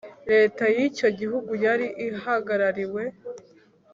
Leta y icyo gihugu yari ihagarariwe